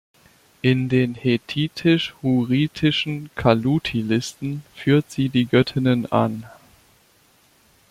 In den hethitisch-hurritischen "kaluti"-Listen führt sie die Göttinnen an.